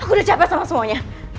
aku udah capek sama semuanya